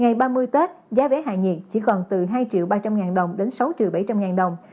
ngày ba mươi tết giá vé hạ nhiệt chỉ còn từ hai ba trăm linh đồng đến sáu bảy trăm linh đồng